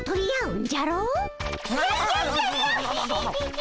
ん？